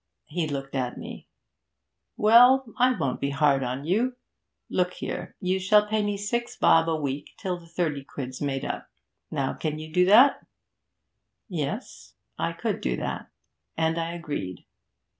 He looked at me. "Well, I won't be hard on you. Look here, you shall pay me six bob a week till the thirty quid's made up. Now, you can do that?" Yes I could do that, and I agreed.